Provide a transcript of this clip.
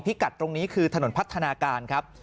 กัดตรงนี้คือถนนพัฒนาการครับ